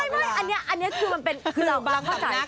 ไม่อันนี้คือมันเป็นคือเราเข้าใจนะ